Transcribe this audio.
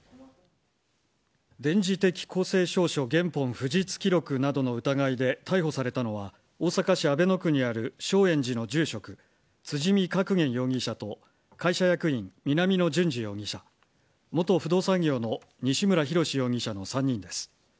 電磁的公正証書交付原本不実記録などの疑いで逮捕されたのは大阪市阿倍野区にある正圓寺の住職辻見覚彦容疑者と会社役員・南野潤二容疑者元不動産業の西村浩容疑者の３人です。